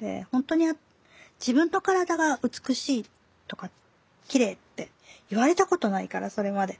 で本当に自分の身体が美しいとかきれいって言われたことないからそれまで。